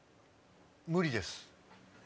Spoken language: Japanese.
無理です。